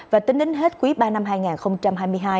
và tính đến hết quý ba năm hai nghìn hai mươi hai